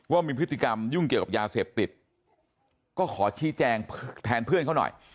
ว่ามีพฤติกรรมยุ่งเกี่ยวกับยาเสพติดก็ขอชี้แจงแทนเพื่อนเขาหน่อย